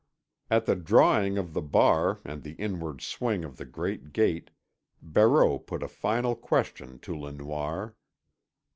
At the drawing of the bar and the inward swing of the great gate, Barreau put a final question to Le Noir.